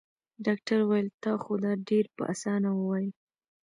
ډاکټر وويل تا خو دا ډېر په اسانه وويل.